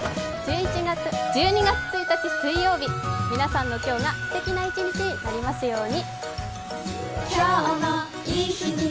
１２月１日水曜日皆さんの今日が素敵な一日になりますように。